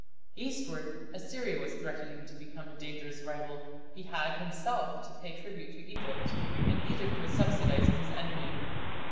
Eastward, Assyria was threatening to become a dangerous rival. He had himself to pay tribute to Egypt, and Egypt was subsidizing his enemy.